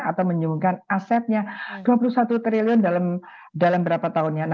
atau menyuguhkan asetnya dua puluh satu triliun dalam berapa tahunnya